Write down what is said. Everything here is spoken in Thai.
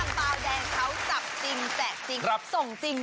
เบาแดงเค้าจับจริงแจกจริง